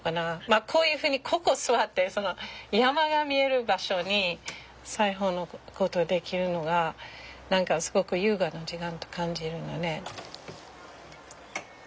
まあこういうふうにここ座って山が見える場所に裁縫のことできるのが何かすごく優雅な時間と感じるのね。